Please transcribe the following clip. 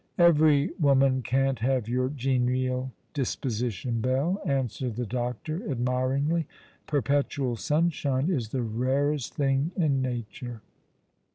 " Every woman can't have your genial disposition, Belle," answered the doctor, admiringly. "Perpetual sunshine is the rarest thing in Nature."